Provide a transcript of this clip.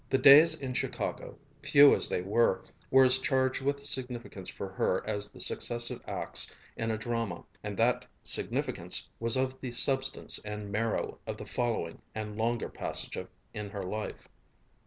The days in Chicago, few as they were, were as charged with significance for her as the successive acts in a drama, and that significance was of the substance and marrow of the following and longer passage in her life.